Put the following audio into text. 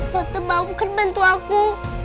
tante bapak kan bantu aku